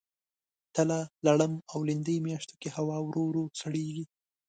تله ، لړم او لیندۍ میاشتو کې هوا ورو ورو سړیږي.